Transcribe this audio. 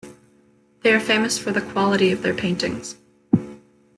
They are famous for the quality of their paintings.